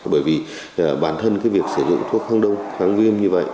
bởi vì bản thân việc sử dụng thuốc kháng đông kháng viêm như vậy